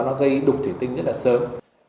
nó gây đục thủy tinh rất là sớm